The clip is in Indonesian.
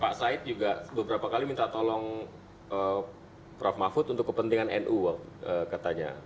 pak said juga beberapa kali minta tolong prof mahfud untuk kepentingan nu katanya